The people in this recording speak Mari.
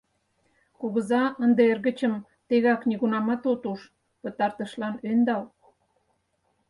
Кугыза, ынде эргычым тегак нигунамат от уж, пытартышлан ӧндал.